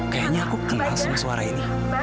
kayaknya aku pilih langsung suara ini